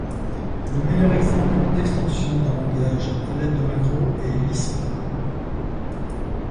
Le meilleur exemple d'extension d'un langage à l'aide de macros est Lisp.